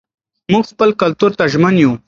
موږ خپل کلتور ته ژمن یو.